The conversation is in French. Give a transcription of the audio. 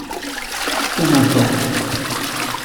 Peu m’importe.